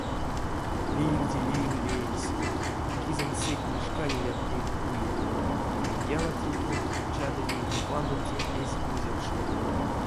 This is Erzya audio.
Виевде виев леесь — кизэнь сэтьме шканеяк эль уеви, ялатеке чадыведне пандонтень эзь кузевкшне.